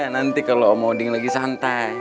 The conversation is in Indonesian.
nanti kalau om odin lagi santai